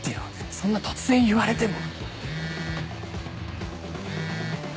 そんな突然言われても。